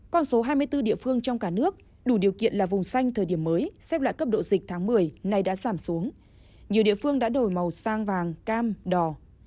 con số hai mươi bốn địa phương trong cả nước đủ điều kiện là vùng xanh thời điểm mới xếp loại cấp độ dịch tháng một mươi nay đã giảm xuống nhiều địa phương đã đổi màu sang vàng cam đò